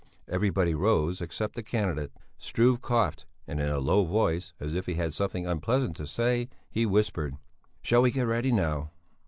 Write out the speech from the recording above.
Everybody rose except the candidate. Struve coughed, and in a low voice, as if he had something unpleasant to say, he whispered: "Shall we get ready now?"